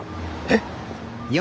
えっ。